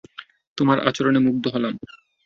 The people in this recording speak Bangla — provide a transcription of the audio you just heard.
তোমার আচরণে মুগ্ধ হলাম।